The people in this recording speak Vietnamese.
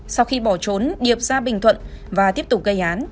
sau khi bỏ trốn điệp ra bình thuận và tiếp tục gây án